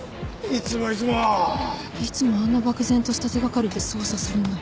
いつもあんな漠然とした手掛かりで捜査するんだ。